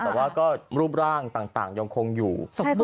แต่ว่าก็รูปร่างต่างยังคงอยู่